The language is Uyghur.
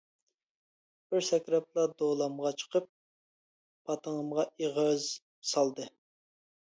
بىر سەكرەپلا دولامغا چىقىپ، پاتىڭىمغا ئېغىز سالدى.